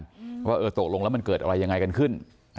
เพราะว่าเออตกลงแล้วมันเกิดอะไรยังไงกันขึ้น